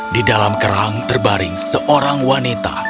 di dalam kerang terbaring seorang wanita